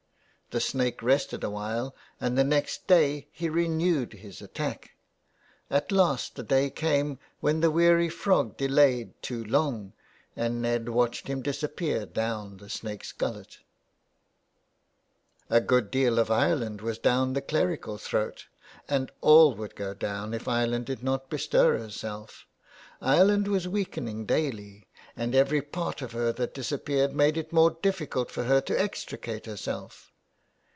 The snake rested awhile and the next day he renewed his attack. At last the day came when the weary frog delayed too long and Ned watched him disappear down the snake's gullet. 345 THE WILD GOOSE. A good deal of Ireland was down the clerical throat and all would go down if Ireland did not bestir herself. Ireland was weakening daily, and every part of her that disappeared made it more difficult for her to extricate herself.